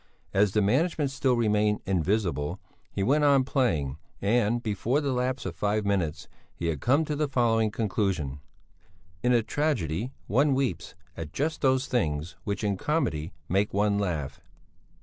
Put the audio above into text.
As the management still remained invisible, he went on playing, and, before the lapse of five minutes, he had come to the following conclusion: In a tragedy one weeps at just those things which in comedy make one laugh.